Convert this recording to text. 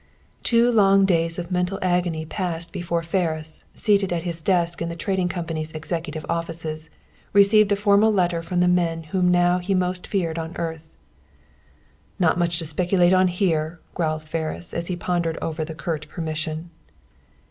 Two long days of mental agony passed before Ferris, seated at his desk in the Trading Company's executive offices, received a formal letter from the men whom now he most feared on earth. "Not much to speculate on here," growled Ferris, as he pondered over the curt permission.